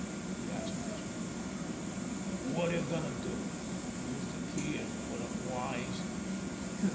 he asked miserably. "What are you going to do? Use the key and put them wise?